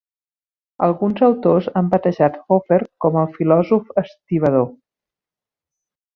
Alguns autors han batejat Hoffer com "el filòsof estibador".